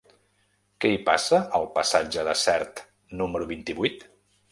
Què hi ha al passatge de Sert número vint-i-vuit?